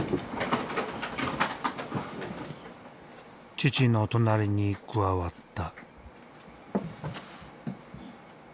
父の隣に加わった。